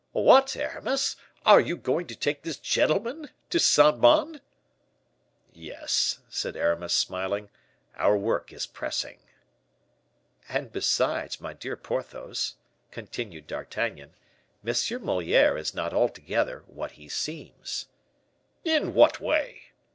"What, Aramis, are you going to take this gentleman to Saint Mande?" "Yes," said Aramis, smiling, "our work is pressing." "And besides, my dear Porthos," continued D'Artagnan, "M. Moliere is not altogether what he seems." "In what way?"